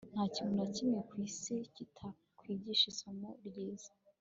ntakintu nakimwe kwisi kitatwigisha isomo ryiza